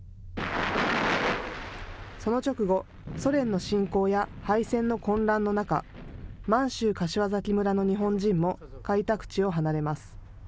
その直後、ソ連の侵攻や敗戦の混乱の中、満州柏崎村の日本人も開拓地を離れます。